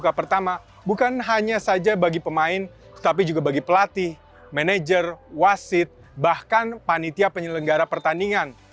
dan yang pertama bukan hanya saja bagi pemain tapi juga bagi pelatih manajer wasit bahkan panitia penyelenggara pertandingan